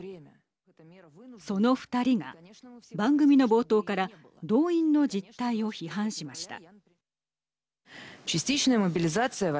その２人が番組の冒頭から動員の実態を批判しました。